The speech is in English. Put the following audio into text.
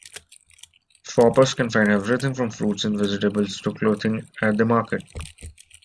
Shoppers can find everything from fruits and vegetables to clothing at the market.